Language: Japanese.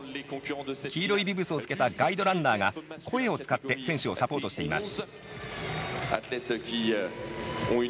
黄色いビブスをつけたガイドランナーが、声を使って選手をサポートしています。